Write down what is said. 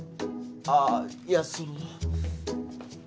あぁいやその。